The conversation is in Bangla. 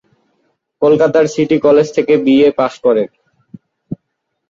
কলকাতার সিটি কলেজ থেকে বিএ পাশ করেন।